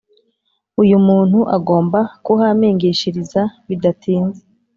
uyu muntu agomba kuhampingishiriza bidatinze.